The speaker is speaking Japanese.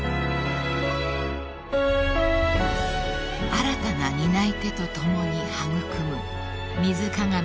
［新たな担い手と共に育む水鏡のきらめき］